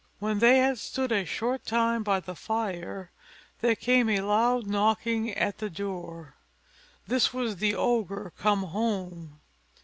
When they had stood a short time by the fire, there came a loud knocking at the door: this was the Ogre come home.